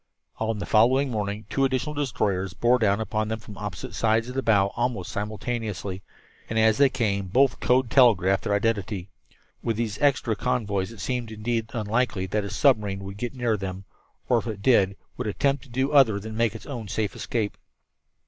On the following morning two additional destroyers bore down upon them from opposite points off the bow almost simultaneously, and as they came both code telegraphed their identity. With these extra convoys it seemed indeed unlikely that a submarine would get near them, or, if it did, would attempt to do other than make its own safe escape.